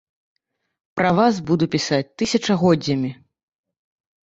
Пра вас буду пісаць тысячагоддзямі.